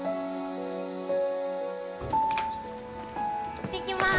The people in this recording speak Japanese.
行ってきます。